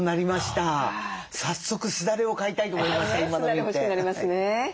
すだれ欲しくなりますね。